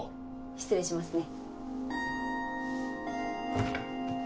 失礼しますね。